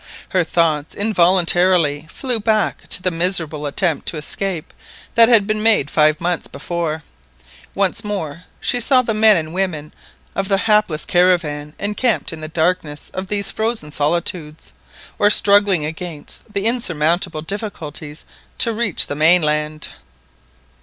Her thoughts involuntarily flew back to the miserable attempt to escape that had been made five months before. Once more she saw the men and women of the hapless caravan encamped in the darkness of these frozen solitudes, or struggling against insurmountable difficulties to reach the mainland.